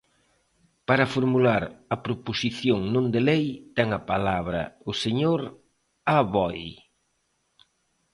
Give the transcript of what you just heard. Para formular a proposición non de lei ten a palabra o señor Aboi.